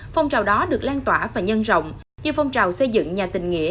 phong trào đó được lan tỏa và nhân rộng như phong trào xây dựng nhà tình nghĩa